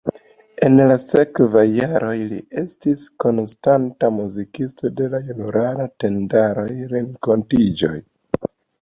En la sekvaj jaroj li estis konstanta muzikisto de la junularaj tendaroj, renkontiĝoj.